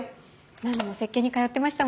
何度も接見に通ってましたもんね。